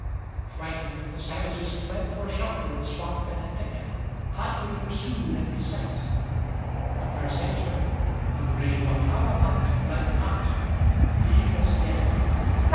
Frightened the savages fled for shelter in swamp and in thicket, Hotly pursued and beset; but their sachem, the brave Wattawamat, Fled not; he was dead.